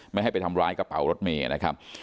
ไม่ให้ไปทำร้ายกระเป๋ารถเมย์นะครับ